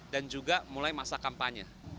dan juga mulai masa kampanye